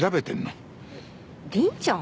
凛ちゃん？